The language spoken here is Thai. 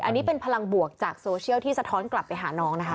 อันนี้เป็นพลังบวกจากโซเชียลที่สะท้อนกลับไปหาน้องนะคะ